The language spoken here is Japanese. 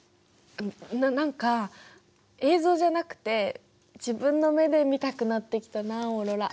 何か映像じゃなくて自分の目で見たくなってきたなあオーロラ。